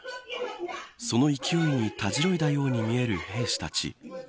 その勢いに、たじろいだように見える兵士たち。